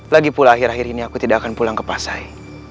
lagipula akhir akhir ini aku tidak akan pulang ke pasai